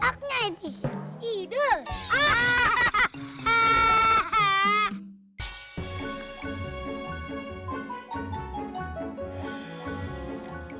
jali ya allah